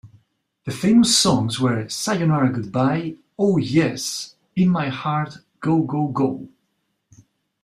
The famous songs were "Sayonara Goodbye", "Oh Yes", "In My Heart", "Go Go Go!